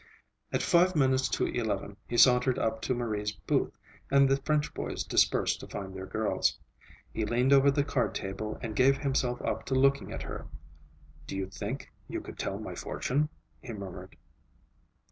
At five minutes to eleven he sauntered up to Marie's booth, and the French boys dispersed to find their girls. He leaned over the card table and gave himself up to looking at her. "Do you think you could tell my fortune?" he murmured.